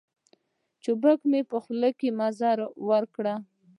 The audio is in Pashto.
په چوپه خوله مي مزل وکړ .